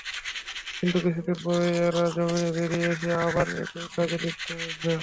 কিন্তু কিছুদিন পরই এরা জামিনে বেরিয়ে এসে আবার একই কাজে লিপ্ত হয়েছে।